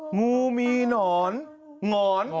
โอ้งูมีหง่อน